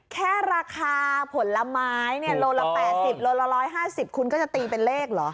แค่ราคาผลไม้เนี่ยโลละ๘๐โลละ๑๕๐คุณก็จะตีเป็นเลขเหรอ